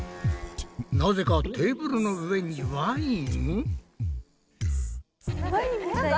なぜかテーブルの上にワイン？